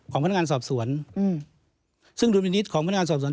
ของพนักงานสอบสวน